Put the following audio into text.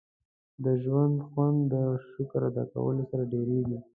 • د ژوند خوند د شکر ادا کولو سره ډېرېږي.